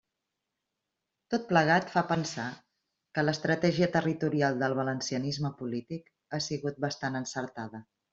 Tot plegat fa pensar que l'estratègia territorial del valencianisme polític ha sigut bastant encertada.